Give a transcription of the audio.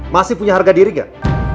masih punya harga diri gak